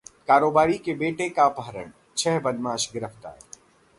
कारोबारी के बेटे का अपहरण, छह बदमाश गिरफ्तार